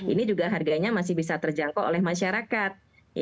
ini juga harganya masih bisa terjangkau oleh masyarakat